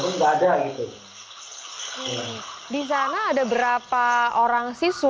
kondisinya sangat jauh berbeda gitu